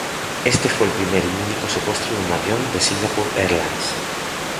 Este fue el primer y único secuestro de un avión de Singapore Airlines.